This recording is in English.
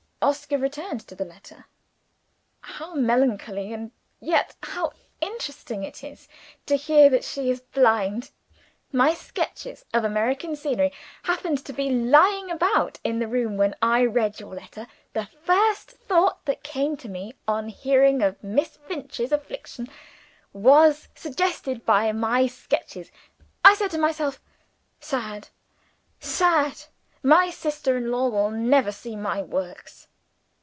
Oscar returned to the letter: "'How melancholy, and yet how interesting it is, to hear that she is blind! My sketches of American scenery happened to be lying about in the room when I read your letter. The first thought that came to me, on hearing of Miss Finch's affliction, was suggested by my sketches. I said to myself, "Sad! sad! my sister in law will never see my Works."